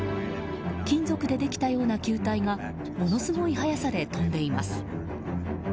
金属でできたような球体がものすごい速さで飛んでいます。